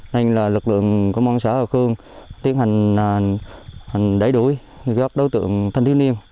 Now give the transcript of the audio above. nên là lực lượng của công an xã hòa khương tiến hành đẩy đuổi các đối tượng thanh thiếu niên